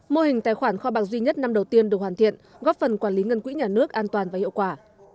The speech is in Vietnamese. mô hình tài khoản kho bạc duy nhất năm đầu tiên được hoàn thiện góp phần quản lý ngân quỹ nhà nước an toàn và hiệu quả